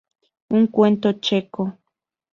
Un cuento checo.